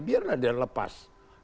biarlah dia lepas